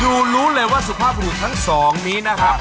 ดูรู้เลยว่าสุภาพผู้หนุ่มทั้งสองนี้นะครับ